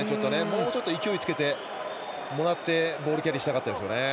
もうちょっと勢いつけてもらってボールキャリーしたかったですね。